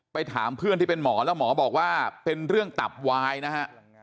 ถามเพื่อนที่เป็นหมอแล้วหมอบอกว่าเป็นเรื่องตับวายนะฮะ